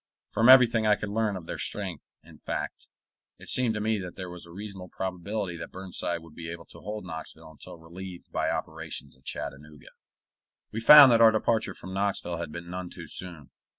From everything I could learn of their strength, in fact, it seemed to me that there was a reasonable probability that Burnside would be able to hold Knoxville until relieved by operations at Chattanooga. We found that our departure from Knoxville had been none too soon.